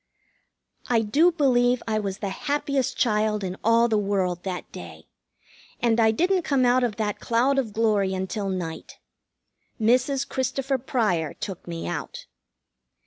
I do believe I was the happiest child in all the world that day, and I didn't come out of that cloud of glory until night. Mrs. Christopher Pryor took me out.